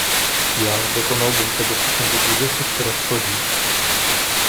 "Ja dokonałbym tego w przeciągu dwudziestu czterech godzin."